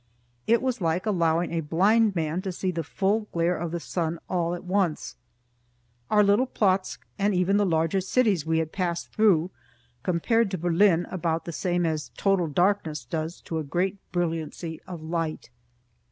It was like allowing a blind man to see the full glare of the sun all at once. Our little Plotzk, and even the larger cities we had passed through, compared to Berlin about the same as total darkness does to great brilliancy of light.